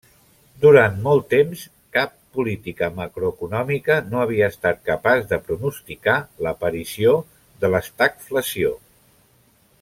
Durant molt temps, cap política macroeconòmica no havia estat capaç de pronosticar l'aparició de l'estagflació.